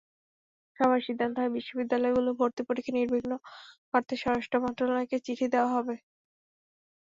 সভায় সিদ্ধান্ত হয়, বিশ্ববিদ্যালয়গুলোর ভর্তি পরীক্ষা নির্বিঘ্ন করতে স্বরাষ্ট্র মন্ত্রণালয়কে চিঠি দেওয়া হবে।